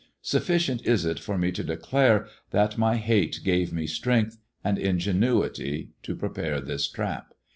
Sufficient s it for me to declare that my hate gave me strength and ngenuity to prepare this trap.